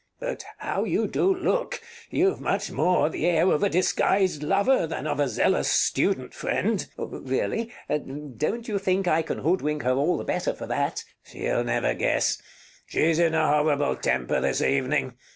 But how you do look! You've much more the air of a disguised lover than of a zealous student friend. Count Really? Don't you think I can hoodwink her all the better for that? Bartolo She'll never guess. She's in a horrible temper this evening.